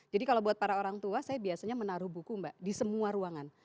jadi kalau buat para orang tua saya biasanya menaruh buku mbak di semua ruangan